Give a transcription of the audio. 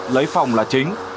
lấy phòng là chính